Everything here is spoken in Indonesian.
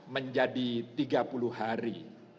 menjadi tiga puluh hari